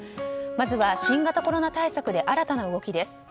まずは新型コロナ対策で新たな動きです。